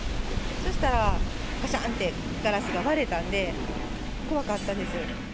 そしたら、がしゃんってガラスが割れたんで、怖かったです。